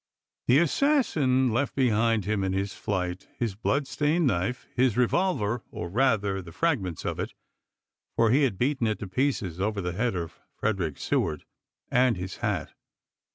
The assassin left behind him in his flight his bloodstained knife, his revolver, — or rather the fragments of it, for he had beaten it to pieces over the head of Frederick Seward, — and his hat.